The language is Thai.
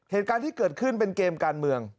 เหตุการณ์ที่เกิดขึ้นเป็นเกมการเมือง